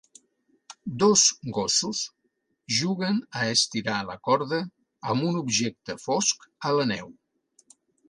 Dos gossos juguen a estirar la corda amb un objecte fosc a la neu.